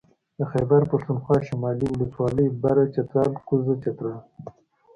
د خېبر پښتونخوا شمالي ولسوالۍ بره چترال کوزه چترال